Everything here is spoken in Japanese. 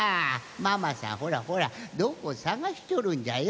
ママさんほらほらどこさがしとるんじゃよ。